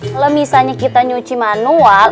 kalau misalnya kita nyuci manual